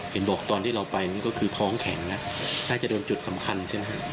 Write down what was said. บอกตอนที่เราไปนี่ก็คือท้องแข็งแล้วน่าจะโดนจุดสำคัญใช่ไหมฮะ